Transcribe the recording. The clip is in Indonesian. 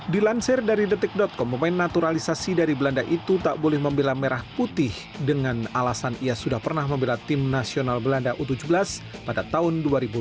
dilansir dari detik com pemain naturalisasi dari belanda itu tak boleh membela merah putih dengan alasan ia sudah pernah membela tim nasional belanda u tujuh belas pada tahun dua ribu empat belas